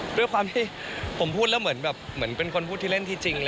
เพราะว่าผมพูดแล้วเหมือนเป็นคนพูดที่เล่นที่จริง